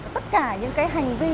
tất cả những cái hành vi